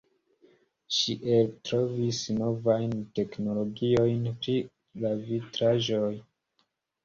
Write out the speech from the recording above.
Ŝi eltrovis novajn teknologiojn pri la vitraĵoj.